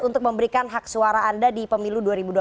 untuk memberikan hak suara anda di pemilu dua ribu dua puluh